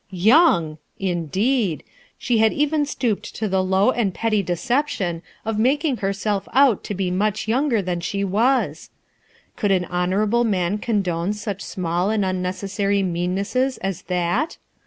" Young 1 " indeed ! she had even stooped to the low and petty deception of making herself out to be much younger than she waal could an honorable man condone such small and unnec essary meannesses as that?